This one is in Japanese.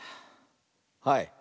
はい。